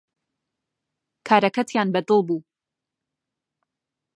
کارەکەتیان بەدڵ بوو